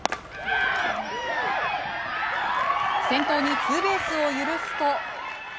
先頭にツーベースを許すと。